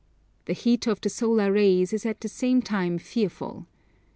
The heat of the solar rays is at the same time fearful.